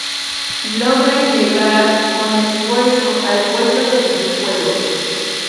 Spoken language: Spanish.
Logran llegar, con esfuerzo, al puesto de videojuegos.